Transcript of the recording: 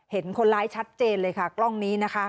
เห็นคนร้ายชัดเจนเลยค่ะกล้องนี้นะคะ